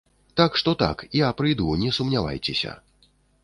Так што так, я прыйду, не сумнявайцеся.